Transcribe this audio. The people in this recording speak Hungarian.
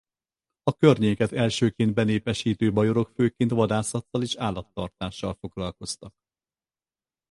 A környéket elsőként benépesítő bajorok főként vadászattal és állattartással foglalkoztak.